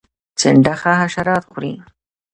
چنډخه حشرات خوري